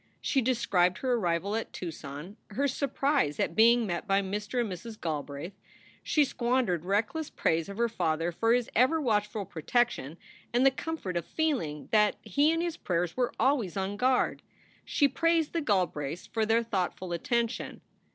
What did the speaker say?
She described her arrival at Tucson, her surprise at being met by Mr. and Mrs. Galbraith. She squandered reckless praise of her father for his ever watchful protection and the comfort of feeling that he and his prayers were always on guard. She praised the Galbraiths for their thoughtful attention.